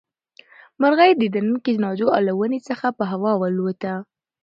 مرغۍ د دنګې ناجو له ونې څخه په هوا والوتې.